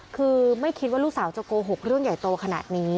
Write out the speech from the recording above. คือไม่คิดว่าลูกสาวจะโกหกเรื่องใหญ่โตขนาดนี้